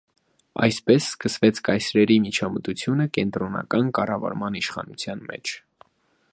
Այսպես սկսվեց կայսրերի միջամտությունը կենտրոնական կառավարման իշխանության մեջ։